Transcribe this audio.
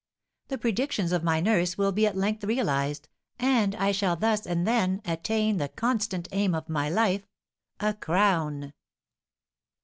The predictions of my nurse will be at length realised, and I shall thus and then attain the constant aim of my life, a crown!"